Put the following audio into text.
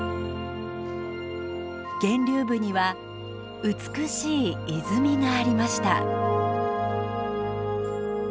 源流部には美しい泉がありました。